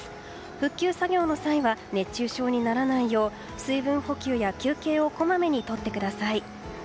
復旧作業の際は熱中症にならないよう水分補給や休憩をこまめに取ってください。